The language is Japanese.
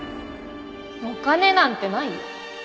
お金なんてないよ。